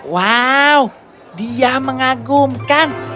wow dia mengagumkan